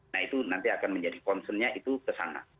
nah itu nanti akan menjadi concernnya itu kesana